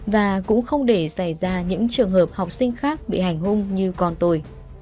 và cũng không để xảy ra những trường hợp học sinh khác bị hành hung như con tôi